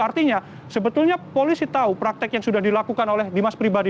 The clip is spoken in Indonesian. artinya sebetulnya polisi tahu praktek yang sudah dilakukan oleh dimas pribadi